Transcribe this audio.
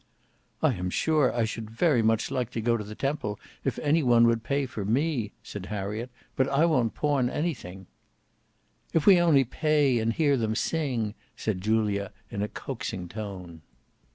"I am sure I should like very much to go to the Temple if any one would pay for me," said Harriet, "but I won't pawn nothing." "If we only pay and hear them sing," said Julia in a coaxing tone.